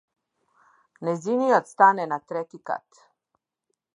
Нејзиниот стан е на трети кат.